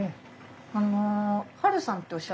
あのハルさんっておっしゃるんですか？